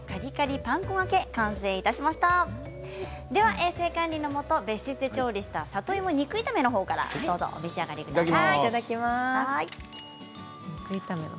衛生管理のもと別室で調理した里芋肉炒めのほうからお召し上がりください。